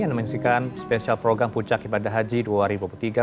anda menyukai special program puncak haji pada dua ribu dua puluh tiga